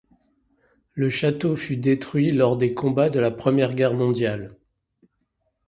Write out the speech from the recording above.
Le château fut détruit lors des combats de la première Guerre mondiale.